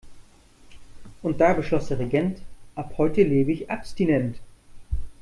Und da beschloss der Regent: Ab heute lebe ich abstinent.